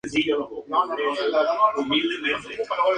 Pero como espectáculo es abrumador.